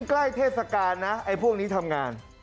เทศกาลนะไอ้พวกนี้ทำงาน